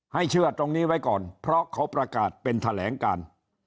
เชื่อตรงนี้ไว้ก่อนเพราะเขาประกาศเป็นแถลงการ